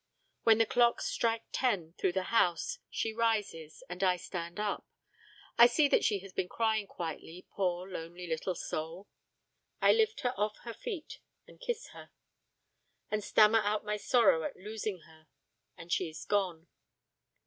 When the clocks strike ten through the house, she rises and I stand up. I see that she has been crying quietly, poor lonely little soul. I lift her off her feet and kiss her, and stammer out my sorrow at losing her, and she is gone.